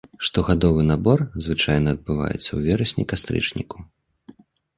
Штогадовы набор звычайна адбываецца у верасні-кастрычніку.